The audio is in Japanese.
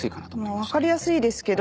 分かりやすいですけど。